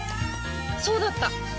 そうだった！